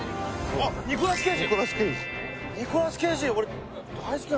あっニコラス・ケイジ。